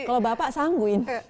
kalau bapak sangguin